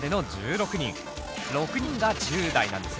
６人が１０代なんですよね？